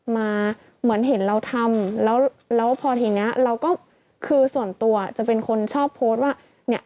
มาเหมือนเห็นเราทำแล้วพอทีนี้เราก็คือส่วนตัวจะเป็นคนชอบโพสต์ว่า